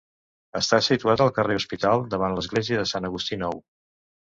Està situat al carrer Hospital, davant l'Església de Sant Agustí Nou.